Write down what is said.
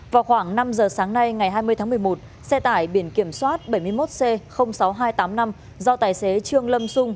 vào khoảng năm giờ sáng nay ngày hai mươi tháng một mươi một xe tải biển kiểm soát bảy mươi một c sáu nghìn hai trăm tám mươi năm do tài xế trương lâm sung